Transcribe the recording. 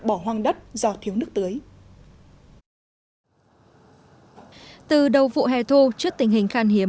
bỏ hoang đất do thiếu nước tưới từ đầu vụ hè thu trước tình hình khan hiếm